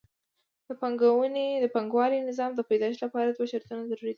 د پانګوالي نظام د پیدایښت لپاره دوه شرطونه ضروري دي